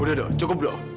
udah dok cukup dok